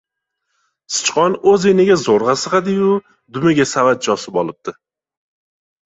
• Sichqon o‘z iniga zo‘rg‘a sig‘adi-yu, dumiga savatcha osib olibdi.